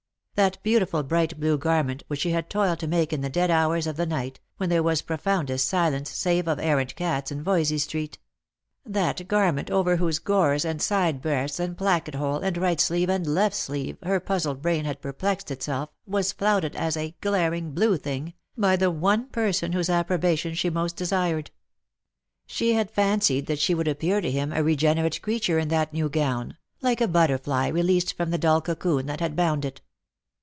That beautiful bright blue garment which she had toiled to make in the dead hours of the night, when there was profoundest silence, save of errant cats, in Voysey street ; that garment over whose gores, and side breadths, and placket hole, and right sleeve and left sleeve, her puzzled brain had perplexed itself, was flouted as a " glaring blue thing" by the one person whose approbation she most desired. She had fancied that she would appear to him a re generate creature in that new gown, like a butterfly released from the dull cocoon that had bound it.